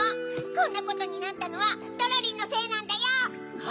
こんなことになったのはドロリンのせいなんだよ！は？